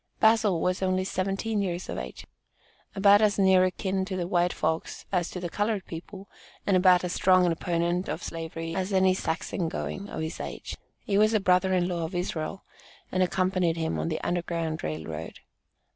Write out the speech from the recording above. Bazil was only seventeen years of age. About as near a kin to the "white folks" as to the colored people, and about as strong an opponent of slavery as any "Saxon" going of his age. He was a brother in law of Israel, and accompanied him on the Underground Rail Road.